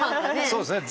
そうですね。